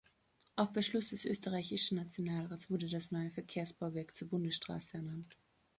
Auf Beschluss des österreichischen Nationalrats wurde das neue Verkehrsbauwerk zur Bundesstraße ernannt.